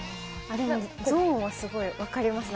でもゾーンはすごい分かりますね。